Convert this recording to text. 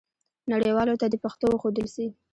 نړیوالو ته دې پښتو وښودل سي.